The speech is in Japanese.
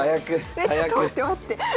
えちょっと待って待って。